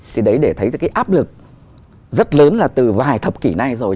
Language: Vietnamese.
thì đấy để thấy cái áp lực rất lớn là từ vài thập kỷ này rồi